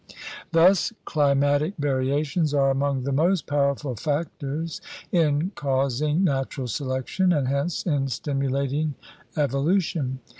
Thus climatic variations are among the most power ful factors in causing natural selection and hence in stimulating evolution.